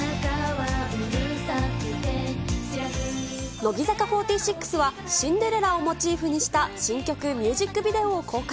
乃木坂４６は、シンデレラをモチーフにした新曲ミュージックビデオを公開。